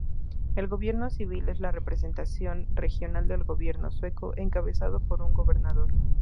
El Gobierno civil es la representación regional del Gobierno sueco, encabezado por un gobernador.